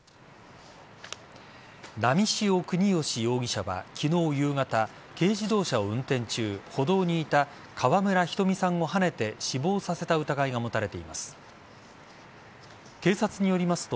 波汐國芳容疑者は昨日夕方軽自動車を運転中歩道にいた川村ひとみさんをはねて死亡させた疑いが持たれています。